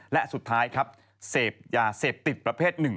และสุดท้ายครับเสพยาเสพติดประเภทหนึ่ง